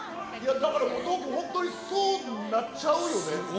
だから本当にそうなっちゃうよね。